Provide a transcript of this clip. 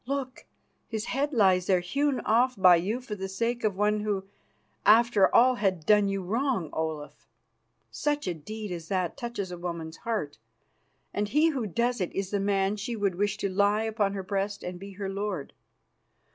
Look, his head lies there, hewn off by you for the sake of one who, after all, had done you wrong. Olaf, such a deed as that touches a woman's heart, and he who does it is the man she would wish to lie upon her breast and be her lord.